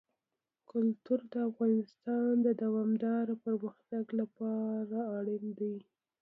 کلتور د افغانستان د دوامداره پرمختګ لپاره اړین دي.